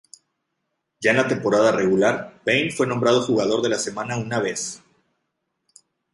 Ya en la temporada regular, Payne fue nombrado jugador de la semana una vez.